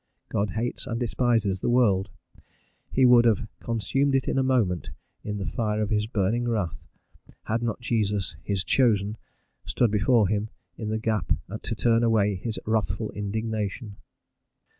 God hates and despises the world. He would have "consumed it in a moment" in the fire of his burning wrath, had not Jesus, "his chosen, stood before him in the gap to turn away his wrathful indignation."